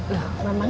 loh memangnya neneng